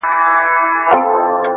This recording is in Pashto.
امتحان لره راغلی کوه کن د زمانې یم ,